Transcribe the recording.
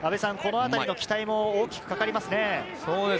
このあたりの期待も大きくかかりますね。